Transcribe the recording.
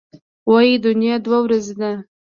وايي دنیا دوه ورځې ده.